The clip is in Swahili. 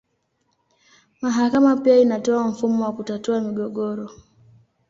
Mahakama pia inatoa mfumo wa kutatua migogoro.